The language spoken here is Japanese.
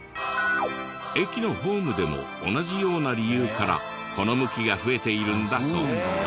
駅のホームでも同じような理由からこの向きが増えているんだそうですよ。